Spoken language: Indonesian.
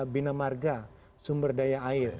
binamarga sumber daya air